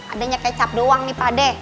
adanya kecap doang nih pade